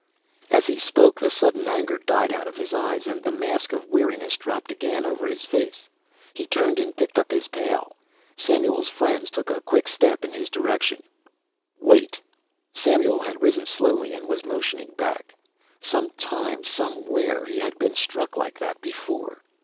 As he spoke the sudden anger died out of his eyes and the mask of weariness dropped again over his face. He turned and picked up his pail. Samuel's friends took a quick step in his direction. "Wait!" Samuel had risen slowly and was motioning back. Some time, somewhere, he had been struck like that before.